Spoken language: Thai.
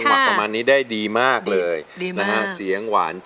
ลงเพลงประหม่านนี้ได้ดีมากเลย